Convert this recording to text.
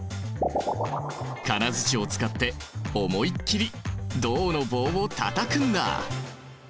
金づちを使って思いっきり銅の棒をたたくんだ！